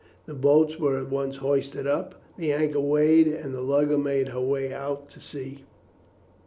The boats were at once hoisted up, the anchor weighed, and the lugger made her way out to sea.